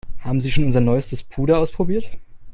Haben Sie schon unser neuestes Puder ausprobiert?